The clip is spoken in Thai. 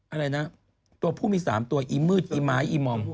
อะไรนะตัวผู้มี๓ตัวอีมืดอีไม้อีมอม